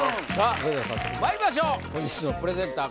それでは早速まいりましょう今週のプレゼンター